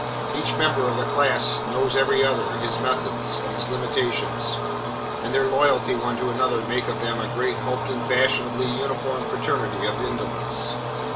Each member of the class knows every other, his methods and his limitations, and their loyalty one to another makes of them a great hulking, fashionably uniformed fraternity of indolence.